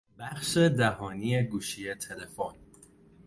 بخش دهانی گوشی تلفن